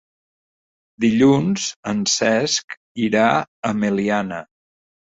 Dilluns en Cesc irà a Meliana.